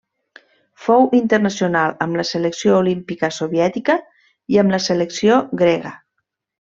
Fou internacional amb la selecció olímpica soviètica i amb la selecció grega.